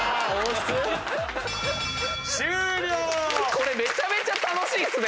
これめちゃめちゃ楽しいっすね。